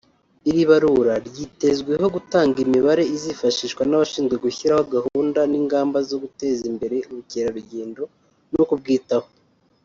Iri barura ryitezweho gutanga imibare izifashishwa n’abashinzwe gushyiraho gahunda n’ingamba zo guteza imbere ubukerarugendo no kubwitaho